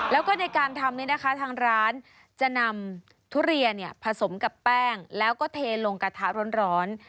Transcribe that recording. แล้วก็ในการทำนี้นะคะทางร้านจะนำทุเรียนผสมกับแป้งแล้วก็เทลงกระทะร้อน